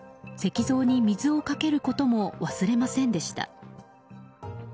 石像に水をかけることも忘れませんでした。